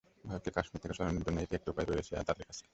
ভারতকে কাশ্মির থেকে সরানো জন্য এই একটা উপায় রয়ে গেছে তাদের কাছে।